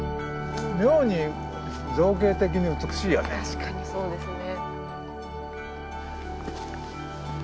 確かにそうですね。